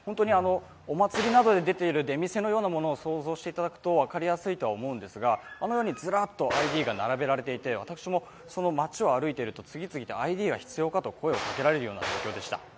お祭りなどで出ている出店を想像していただくと分かりやすいとは思うんですがあのようにずらっとＩＤが並べられていて私もその町を歩いていると、次々とＩＤが必要か？と声をかけられる状況でした。